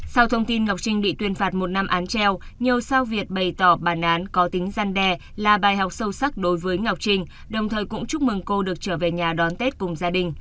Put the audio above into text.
sau thông tin ngọc trinh bị tuyên phạt một năm án treo nhiều sao việt bày tỏ bản án có tính gian đe là bài học sâu sắc đối với ngọc trinh đồng thời cũng chúc mừng cô được trở về nhà đón tết cùng gia đình